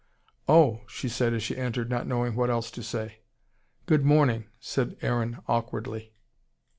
"Oh!" she said as she entered, not knowing what else to say. "Good morning," said Aaron awkwardly.